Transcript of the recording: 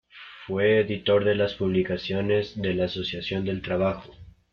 Fue editor de las publicaciones de la Asociación del Trabajo.